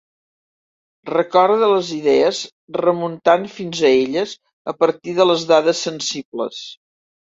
Recorde les idees remuntant fins a elles a partir de les dades sensibles.